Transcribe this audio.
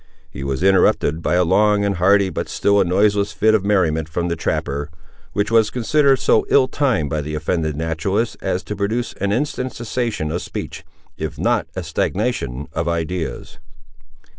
He was interrupted by a long and hearty, but still a noiseless fit of merriment, from the trapper, which was considered so ill timed by the offended naturalist, as to produce an instant cessation of speech, if not a stagnation of ideas.